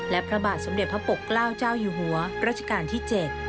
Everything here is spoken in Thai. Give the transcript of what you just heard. และพระบาทสมเด็จพระปกเกล้าเจ้าอยู่หัวรัชกาลที่๗